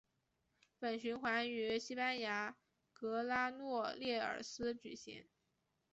本循环于西班牙格拉诺列尔斯举行。